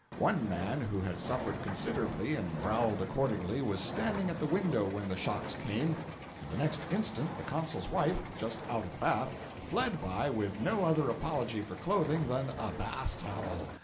One man who had suffered considerably and growled accordingly, was standing at the window when the shocks came, and the next instant the consul's wife, just out of the bath, fled by with no other apology for clothing than—a bath towel!